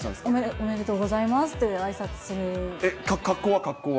おめでとうございますってあ格好は？